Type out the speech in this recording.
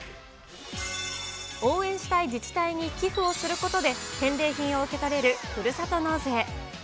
応援したい自治体に寄付をすることで返礼品を受け取れるふるさと納税。